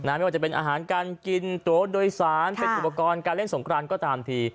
ไม่ว่าจะเป็นอาหารการกินตัวโดยสารเป็นอุปกรณ์การเล่นสงครานก็ตามที